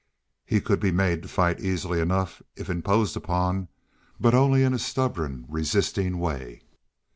He could be made to fight easily enough if imposed upon, but only in a stubborn, resisting way.